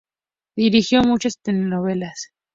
Dirigió muchas telenovelas.